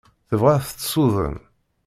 Tebɣa ad t-tessuden.